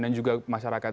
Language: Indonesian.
dan juga masyarakat